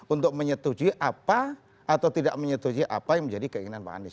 untuk menyetujui apa atau tidak menyetujui apa yang menjadi keinginan pak anies